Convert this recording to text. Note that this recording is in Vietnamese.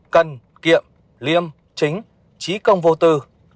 bốn cân kiệm liêm chính trí công vô tư